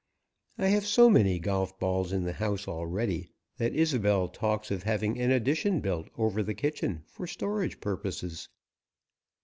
I have so many golf balls in the house already that Isobel talks of having an addition built over the kitchen for storage purposes.